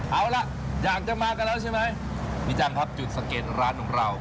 เอาล่ะอยากจะมากันแล้วใช่ไหมพี่จังครับจุดสังเกตร้านของเรา